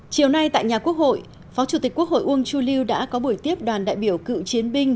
chiều nay tại nhà quốc hội phó chủ tịch quốc hội uông chu lưu đã có buổi tiếp đoàn đại biểu cựu chiến binh